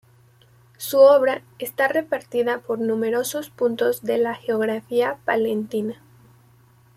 Su obra está repartida por numerosos puntos de la geografía palentina.